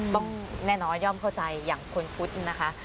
แน่นอนย่อมเข้าใจอย่างคนพุทธนะคะ